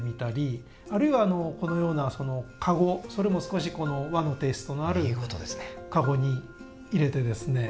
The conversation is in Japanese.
あるいはこのような籠それも少し和のテイストのある籠に入れてですね